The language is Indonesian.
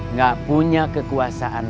nggak punya kekuasaan